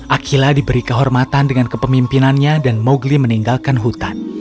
akhila diberi kehormatan dengan kepemimpinannya dan mowgli meninggalkan hutan